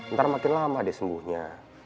ntar makin lama dia sembuhnya